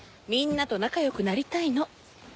みんなと仲良くなりたいの。